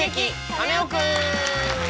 カネオくん」！